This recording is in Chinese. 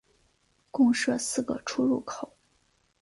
共设四个出入口。